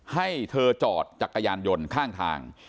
ให้เธอจอดจักรยานยนต์ข้างทาง